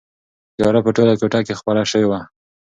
تیاره په ټوله کوټه کې خپره شوې وه.